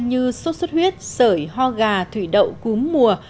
như sốt xuất huyết sởi ho gà thủy đậu cúm mùa